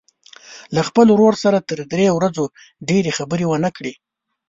له خپل ورور سره تر درې ورځو ډېرې خبرې ونه کړي.